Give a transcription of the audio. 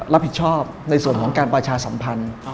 รับผิดชอบในส่วนของการประชาสัมพันธ์